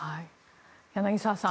柳澤さん。